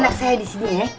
anak saya disini ya